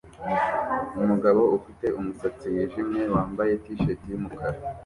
Umugabo ufite umusatsi wijimye wambaye t-shati yumukara